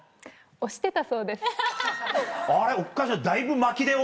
押してたそうです。